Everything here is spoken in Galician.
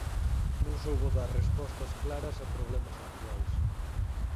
Non soubo dar respostas claras a problemas actuais.